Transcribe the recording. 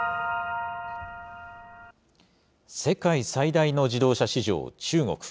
世界最大の自動車市場、中国。